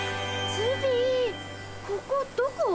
ズビーここどこ？